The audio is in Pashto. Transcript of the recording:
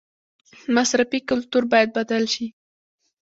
مصرفي کلتور باید بدل شي